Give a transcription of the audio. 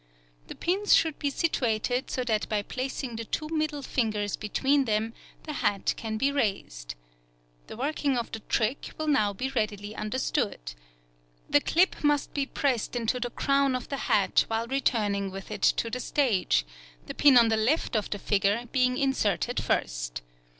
The pins should be situated so that by placing the two middle fingers between them the hat can be raised. The working of the trick will now be readily understood. The clip must be pressed into the crown of the hat while returning with it to the stage, the pin on the left of the figure being inserted first.